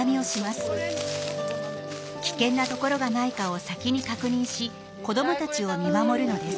危険な所がないかを先に確認し子どもたちを見守るのです。